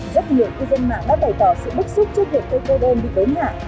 rất nhiều cư dân mạng đã bày tỏ sự bức xúc trước việc cây cây đơn bị bến hạ